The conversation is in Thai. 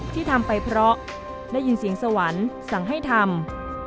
ที่ทำไปเพราะได้ยินเสียงสวรรค์สั่งให้ทำ